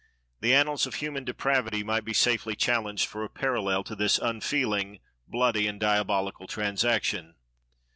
The annals of human depravity might be safely challenged for a parallel to this unfeeling, bloody and diabolical transaction.